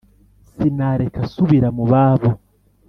Sinareka asubira mu babo